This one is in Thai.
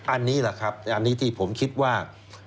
อันนี้แหละครับอันนี้ที่ผมคิดว่า